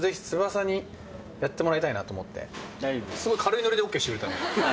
すごい軽いノリでＯＫしてくれたよね。